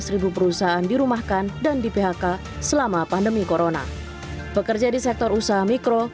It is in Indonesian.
seribu perusahaan dirumahkan dan di phk selama pandemi corona pekerja di sektor usaha mikro